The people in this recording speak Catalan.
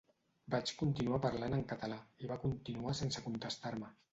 Vaig continuar parlant en català i va continuar sense contestar-me.